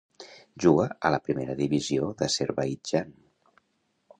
Juga a la Primera Divisió d'Azerbaidjan.